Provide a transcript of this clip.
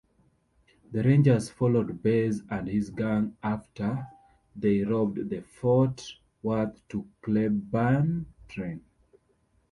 The Rangers followed Bass and his gang after they robbed the Fort Worth-to-Cleburne train.